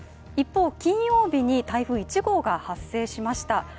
一方、金曜日に台風１号が発生しました。